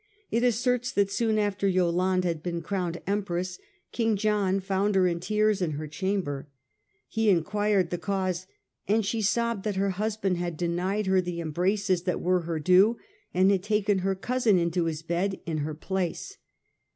It asserts that soon after Yolande had been crowned Empress, King John found her in tears in her chamber. He enquired the cause, and she sobbed that her husband had denied her the embraces that were her due and had taken her cousin into his bed in her place.